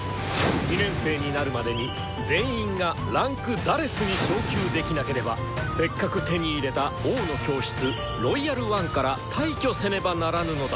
２年生になるまでに全員が位階「４」に昇級できなければせっかく手に入れた「王の教室」「ロイヤル・ワン」から退去せねばならぬのだ！